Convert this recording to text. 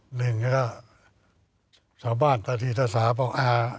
หนึ่งก็ชาวบ้านตะทีตะสาบบอก